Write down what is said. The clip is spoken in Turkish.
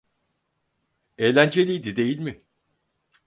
Eğlenceliydi, değil mi?